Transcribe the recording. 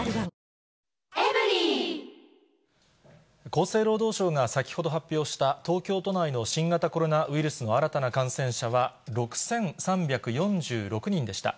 厚生労働省が先ほど発表した東京都内の新型コロナウイルスの新たな感染者は、６３４６人でした。